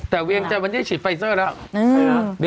แต่เวียงจันทร์วันนี้ฉีดไฟเซอร์แล้ว